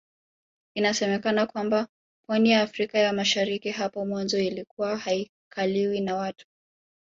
Inasemekana kwamba pwani ya Afrika ya Mashariki hapo mwanzo ilikuwa haikaliwi na watu